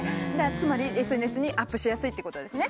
つまりＳＮＳにアップしやすいってことですね。